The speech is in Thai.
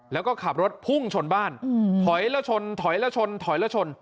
แล้วก็ขับรถพุ่งชนบ้านถอยแล้วชนถอยแล้วชนถอยแล้วชน